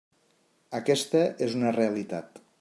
Aquesta és una realitat.